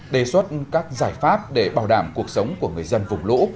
đề xuất các giải pháp để bảo đảm cuộc sống của người dân vùng lũ